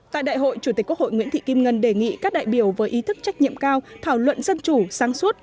tại đại hội chủ tịch quốc hội nguyễn thị kim ngân đề nghị các đại biểu với ý thức trách nhiệm cao thảo luận dân chủ sáng suốt